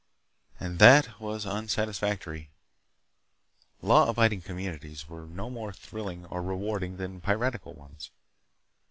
And that was unsatisfactory. Law abiding communities were no more thrilling or rewarding than piratical ones.